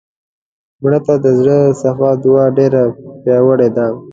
مړه ته د زړه صفا دعا ډېره پیاوړې ده